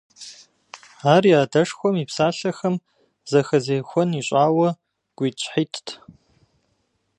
Ар и адэшхуэм и псалъэхэм зэхэзехуэн ящӀауэ, гуитӀщхьитӀт…